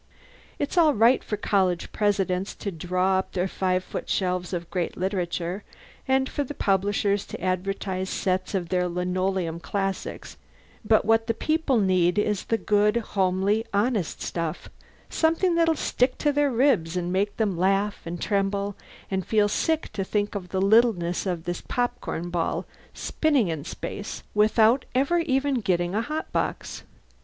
It's all right for college presidents to draw up their five foot shelves of great literature, and for the publishers to advertise sets of their Linoleum Classics, but what the people need is the good, homely, honest stuff something that'll stick to their ribs make them laugh and tremble and feel sick to think of the littleness of this popcorn ball spinning in space without ever even getting a hot box!